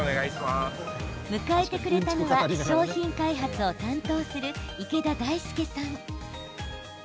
迎えてくれたのは商品開発を担当する池田大輔さん。